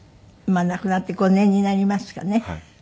亡くなって５年になりますかね。